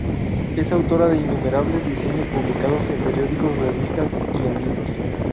Es autora de innumerables diseños publicados en periódicos, revistas, y en libros.